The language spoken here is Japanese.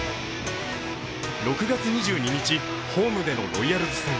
６月２２日、ホームでのロイヤルズ戦。